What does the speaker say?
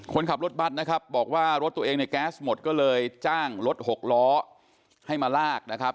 คนขับรถบัตรนะครับบอกว่ารถตัวเองในแก๊สหมดก็เลยจ้างรถหกล้อให้มาลากนะครับ